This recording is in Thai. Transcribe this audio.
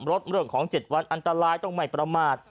เรื่องของ๗วันอันตรายต้องไม่ประมาท